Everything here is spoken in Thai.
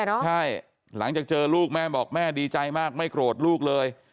ใช่หลังจากเจอลูกแม่บอกแม่ดีใจมากไม่โกรธลูกเลย